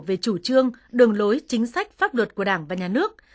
về chủ trương đường lối chính sách pháp luật của đảng và nhà nước